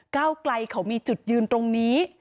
เก้าไกลเขามีจุดยืนตรงนี้